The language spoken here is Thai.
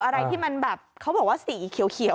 อะไรที่มันแบบเขาบอกว่าสีเขียว